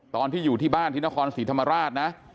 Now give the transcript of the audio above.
ตอนที่อยู่ที่บ้านที่นครศรีธรรมราชนะ